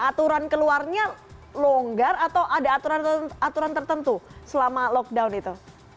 aturan keluarnya longgar atau ada aturan aturan tertentu selama lockdown itu